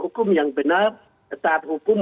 hukum yang benar taat hukum